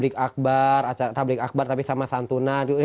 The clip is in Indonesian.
tabrik akbar tapi sama santunan